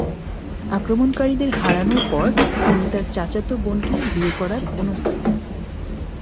আক্রমণকারীদের হারানো পর, তিনি তার চাচাত বোনকে বিয়ে করার অনুমতি চান।